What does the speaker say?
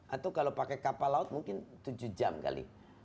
atau kalau pakai kapal laut mungkin tujuh jam kali